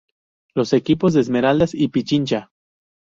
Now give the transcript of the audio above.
Los equipos de Esmeraldas y Pichincha.